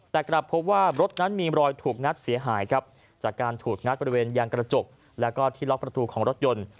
แต่กลับพบว่ารถนั้นมีรอยถูกงัดเสียหายครับจากการถูกงัดบริเวณยางกระจกแล้วก็ที่ล็อกประตูของรถยนต์